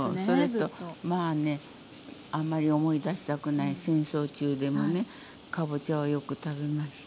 まあねあんまり思い出したくない戦争中でもねかぼちゃはよく食べました。